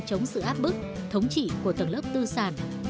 chống sự áp bức thống trị của tầng lớp tư sản